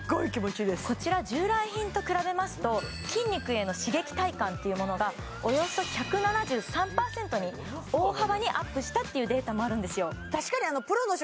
こちら従来品と比べますと筋肉への刺激体感というものがおよそ１７３％に大幅にアップしたっていうデータもあるんですよ